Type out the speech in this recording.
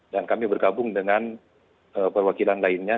dan kami bergabung dengan perwakilan lainnya